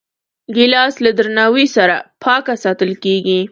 ګیلاس له درناوي سره پاک ساتل کېږي.